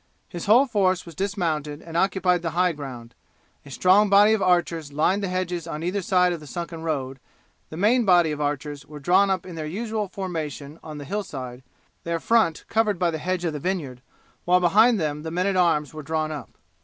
His whole force was dismounted and occupied the high ground, a strong body of archers lined the hedges on either side of the sunken road; the main body of archers were drawn up in their usual formation on the hillside, their front covered by the hedge of the vineyard, while behind them the men at arms were drawn up.